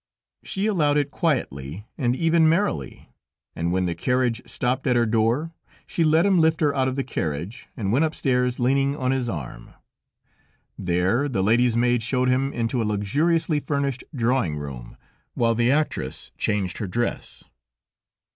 She allowed it quietly and even merrily, and when the carriage stopped at her door, she let him lift her out of the carriage, and went upstairs leaning on his arm. There, the lady's maid showed him into a luxuriously furnished drawing room, while the actress changed her dress.